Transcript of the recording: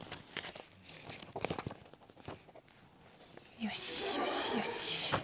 よしよしよし。